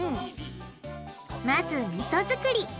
まずみそ作り。